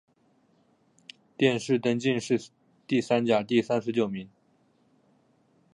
殿试登进士第三甲第三十九名。